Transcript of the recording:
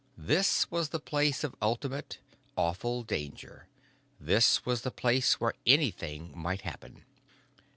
This was the place of ultimate, awful danger. This was the place where anything might happen.